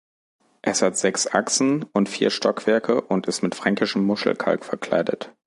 Es hat sechs Achsen und vier Stockwerke und ist mit fränkischem Muschelkalk verkleidet.